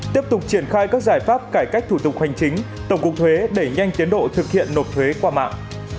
tiếp tục triển khai các giải pháp cải cách thủ tục hành chính tổng cục thuế đẩy nhanh tiến độ thực hiện nộp thuế qua mạng